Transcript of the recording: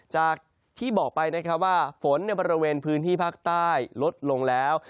จากที่บอกไปนะครับว่าฝนในบริเวณพื้นที่ภาคใต้ลดลงแล้ว